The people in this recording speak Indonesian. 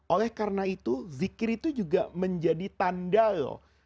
oleh karena itu zikir itu juga menjadi tanda loh